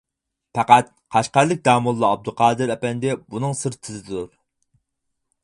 پەقەت قەشقەرلىك داموللا ئابدۇقادىر ئەپەندى بۇنىڭ سىرتىدىدۇر.